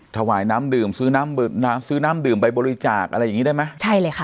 ถวายน้ำดื่มซื้อน้ำซื้อน้ำดื่มไปบริจาคอะไรอย่างงี้ได้ไหมใช่เลยค่ะ